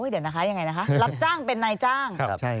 เดี๋ยวนะคะยังไงนะคะรับจ้างเป็นนายจ้าง